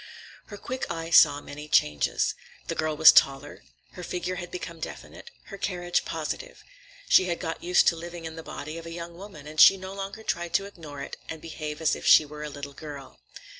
Her quick eye saw many changes. The girl was taller, her figure had become definite, her carriage positive. She had got used to living in the body of a young woman, and she no longer tried to ignore it and behave as if she were a little girl.